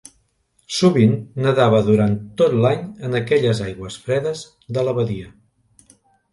Sovint nedava durant tot l'any en aquelles aigües fredes de la badia.